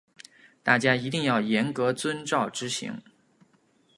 大家一定要严格遵照执行